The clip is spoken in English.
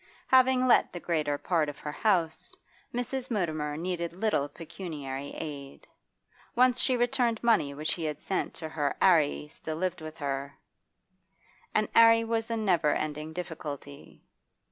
Having let the greater part of her house, Mrs. Mutimer needed little pecuniary aid; once she returned money which he had sent to her 'Arry still lived with her, and 'Arry was a never ending difficulty.